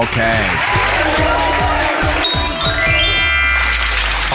ไลน์โอเค